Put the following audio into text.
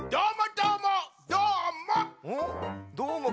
どーも。